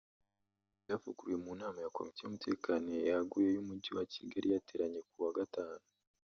Ibi byavugiwe mu nama ya Komite y’Umutekano yaguye y’Umujyi wa Kigali yateranye kuwa gatanu